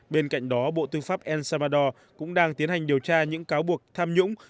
bên cạnh đó bộ tư pháp el salvador cũng đang thiến hành điều tra những cáo bực tham nhũng